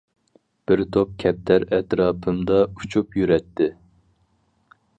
بىر توپ كەپتەر ئەتراپىمدا ئۇچۇپ يۈرەتتى.